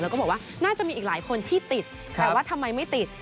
แล้วก็บอกว่าน่าจะมีอีกหลายคนที่ติดแต่ว่าทำไมไม่ติด